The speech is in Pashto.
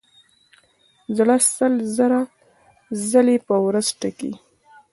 زړه سل زره ځلې په ورځ ټکي.